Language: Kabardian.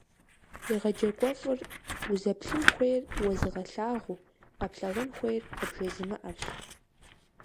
Егъэджакӏуэфӏыр – узэплъын хуейр уэзыгъэлъагъуу, къэплъагъун хуейр къыбжезымыӏэрщ.